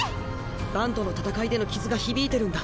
バンとの戦いでの傷が響いてるんだ。